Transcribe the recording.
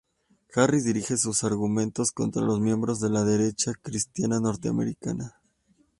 Harris dirige sus argumentos contra los miembros de la derecha cristiana norteamericana.